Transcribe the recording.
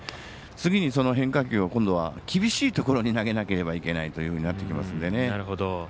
次のその変化球を今度は厳しいところに投げないといけないとなってきますので。